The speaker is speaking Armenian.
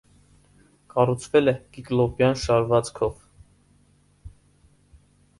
Կառուցվել է կիկլոպյան շարվածքով։